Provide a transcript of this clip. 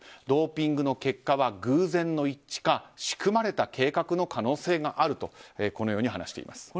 ドーピングの結果は偶然の一致か仕組まれた可能性があると話しています。